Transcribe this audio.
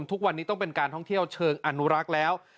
ทุกวันนี้ต้องเป็นการท่องเที่ยวเชิงอนุรักษ์แล้ว